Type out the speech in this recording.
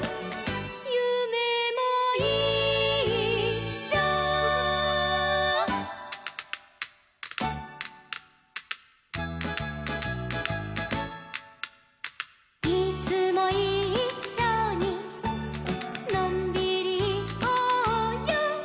「ゆめもいっしょ」「いつもいっしょにのんびりいこうよ」